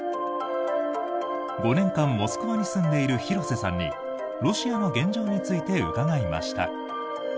５年間モスクワに住んでいる廣瀬さんにロシアの現状について伺いました。